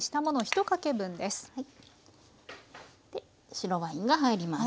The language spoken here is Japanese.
白ワインが入ります。